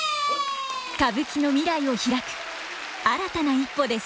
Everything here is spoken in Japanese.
歌舞伎の未来を開く新たな一歩です。